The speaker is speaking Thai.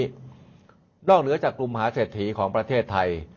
มาเชิญอยู่ในวันนี้นอกเหลือจากกลุ่มหาเศรษฐีของประเทศไทย